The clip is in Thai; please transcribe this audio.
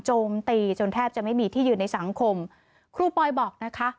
โจมตีจนแทบจะไม่มีที่ยืนในสังคมครูปอยบอกนะคะ